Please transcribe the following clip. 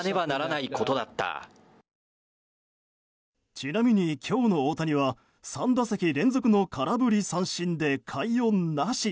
ちなみに、今日の大谷は３打席連続の空振り三振で快音なし。